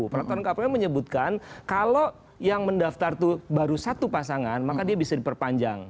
peraturan kpu menyebutkan kalau yang mendaftar itu baru satu pasangan maka dia bisa diperpanjang